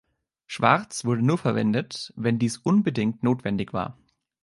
Schwarz wurde nur verwendet, wenn dies unbedingt notwendig war.